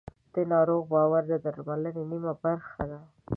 د ناروغ باور د درملنې نیمه برخه ده.